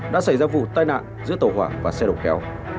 đã xảy ra vụ tai nạn giữa tàu hỏa và xe đầu kéo